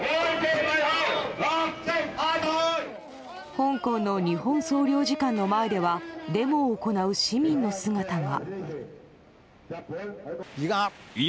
香港の日本総領事館の前ではデモを行う市民の姿が。